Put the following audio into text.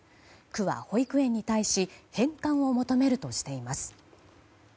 区は保育園に対し返還を求めるとしています。